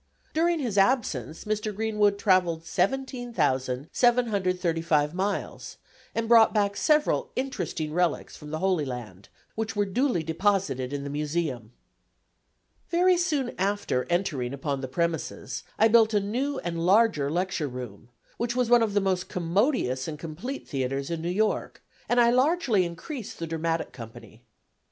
During his absence Mr. Greenwood travelled 17,735 miles, and brought back several interesting relics from the Holy Land, which were duly deposited in the Museum. Very soon after entering upon the premises, I built a new and larger lecture room, which was one of the most commodious and complete theatres in New York, and I largely increased the dramatic company.